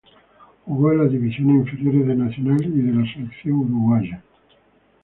Jugó en las divisiones inferiores de Nacional y de la selección uruguaya.